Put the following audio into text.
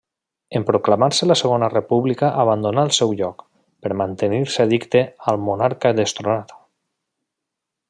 En proclamar-se la segona República abandonà el seu lloc, per mantenir-se addicte al monarca destronat.